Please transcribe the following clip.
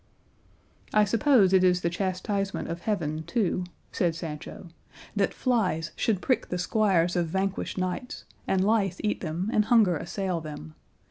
"I suppose it is the chastisement of heaven, too," said Sancho, "that flies should prick the squires of vanquished knights, and lice eat them, and hunger assail them.